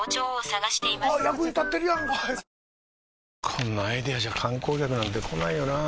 こんなアイデアじゃ観光客なんて来ないよなあ